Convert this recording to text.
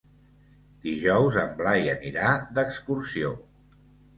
Dijous en Blai anirà d'excursió.